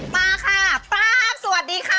มาค่ะป๊าบสวัสดีค่ะ